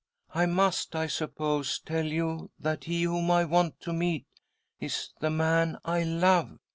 " I must, I suppose, tell you that he whom I want to meet is the man I love.